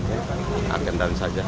hanya anggan dan saja